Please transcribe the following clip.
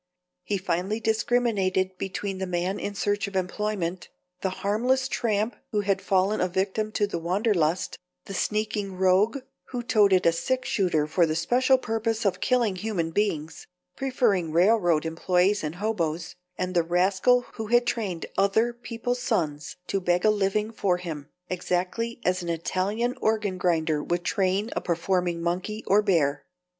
He finely discriminated between the man in search of employment, the harmless tramp who had fallen a victim to the wanderlust, the sneaking rogue who "toted" a six shooter for the special purpose of killing human beings, preferring railroad employees and hoboes, and the rascal who had trained other people's sons to beg a living for him, exactly as an Italian organ grinder would train a performing monkey or bear.